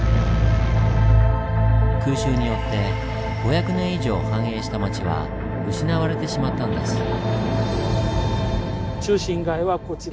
空襲によって５００年以上繁栄した街は失われてしまったんです。